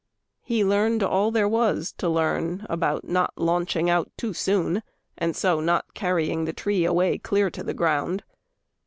He learned all there was To learn about not launching out too soon And so not carrying the tree away Clear to the ground.